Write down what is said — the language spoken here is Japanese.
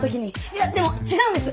いやでも違うんです。